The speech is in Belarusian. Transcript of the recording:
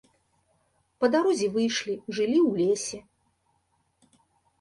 Па дарозе выйшлі, жылі ў лесе.